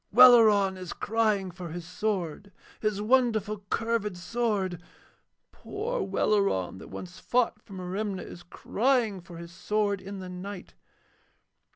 'Welleran is crying for his sword, his wonderful curved sword. Poor Welleran, that once fought for Merimna, is crying for his sword in the night.